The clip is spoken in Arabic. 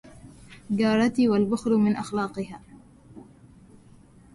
جارتي والبخل من أخلاقها